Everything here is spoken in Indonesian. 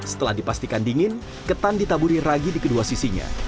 setelah dipastikan dingin ketan ditaburi ragi di kedua sisinya